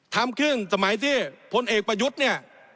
ทำขึ้นสมัยที่พลเอกประยุทธ์เนี่ย